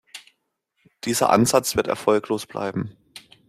Dieser Ansatz wird erfolglos bleiben.